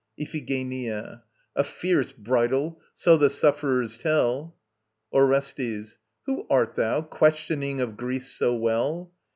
IPHIGENIA. A fierce bridal, so the sufferers tell! ORESTES. Who art thou, questioning of Greece so well?